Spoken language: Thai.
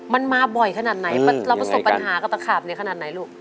มันมาบ่อยขนาดไหนเราประสบปัญหากับตะขาบในขนาดไหนลูก